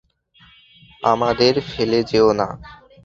আমাদের ফেলে যেয়ো না!